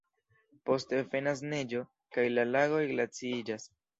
Poste venas neĝo kaj la lagoj glaciiĝas.